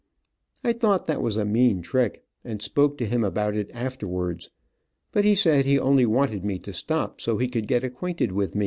I thought that was a mean trick, and spoke to him about it afterwards, but he said he only wanted me to stop so he could get acquainted with me.